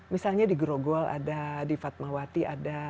misalnya di grogol ada di fatmawati ada